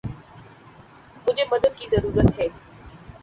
مجھے مدد کی ضرورت ہے۔